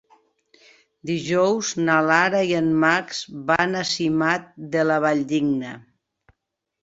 Dijous na Lara i en Max van a Simat de la Valldigna.